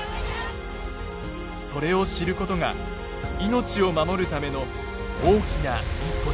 それを知ることが命を守るための大きな一歩です。